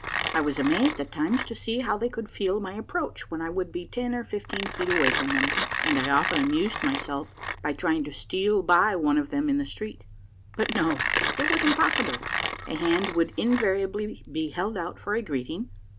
I was amazed at times to see how they could feel my ap proach when I would be ten or fifteen feet away from them, and I often amused myself by trying to steal by one of them in the street. But no, it was impossible ; a hand would invariably he held out for a greeting.